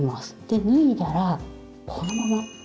で脱いだらこのまま。